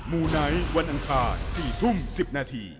มูไนท์วันอังคาร๔ทุ่ม๑๐นาที